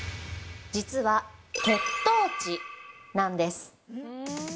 実は、血糖値なんです。